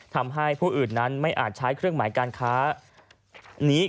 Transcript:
ทำให้ผู้อื่นนั้นไม่อาจใช้เครื่องหมายการค้านี้